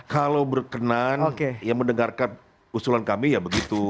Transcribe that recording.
kalau berkenan ya mendengarkan usulan kami ya begitu